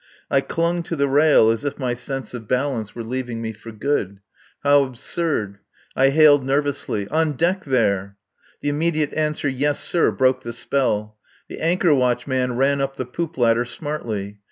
I clung to the rail as if my sense of balance were leaving me for good. How absurd. I failed nervously. "On deck there!" The immediate answer, "Yes, sir," broke the spell. The anchor watch man ran up the poop ladder smartly.